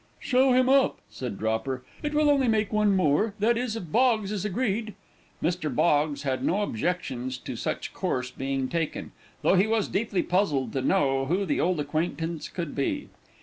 "Show him up," said Dropper, "it will only make one more that is, if Boggs is agreed." Mr. Boggs had no objections to such course being taken, though he was deeply puzzled to know who the old acquaintance could be.